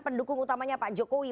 pendukung utamanya pak jokowi